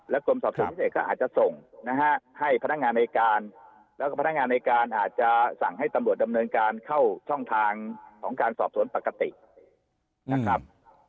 กรมสอบสวนพิเศษก็อาจจะส่งนะฮะให้พนักงานในการแล้วก็พนักงานในการอาจจะสั่งให้ตำรวจดำเนินการเข้าช่องทางของการสอบสวนปกตินะครับ